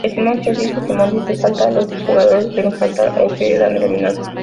Si Simón dice ""Simón dice salta"", los jugadores deben saltar o quedan eliminados.